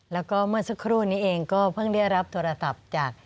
แล้วก็เมื่อสักครู่นี้เองก็เพิ่งได้รับโทรศัพท์จาก